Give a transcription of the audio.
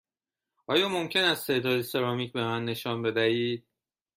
آیا ممکن است تعدادی سرامیک به من نشان بدهید؟